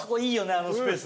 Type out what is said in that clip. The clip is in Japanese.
あのスペース。